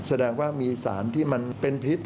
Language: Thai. แสดงว่ามีสารที่มันเป็นพิษ